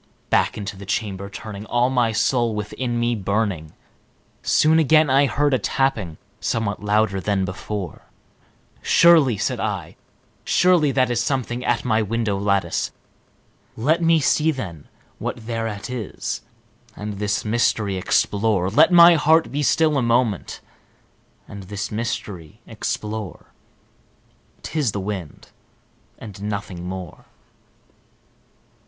Back into the chamber turning, all my soul within me burning, Soon again I heard a tapping, somewhat louder than before. "Surely," said I, "surely that is something at my window lattice; Let me see, then, what thereat is, and this mystery explore Let my heart be still a moment and this mystery explore; 'T is the wind and nothing more!"